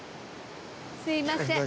すみません